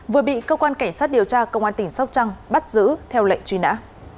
vừa bị cơ quan cảnh sát điều tra công an tỉnh sóc trăng bắt giữ theo lệnh truy nã